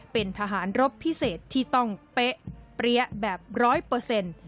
เป็นทหารรบพิเศษที่ต้องเป๊ะเปรี้ยแบบร้อยเปอร์เซ็นต์